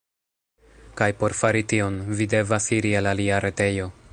Kaj por fari tion, vi devas iri al alia retejo.